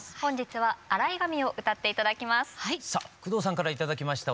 さあ工藤さんから頂きましたお写真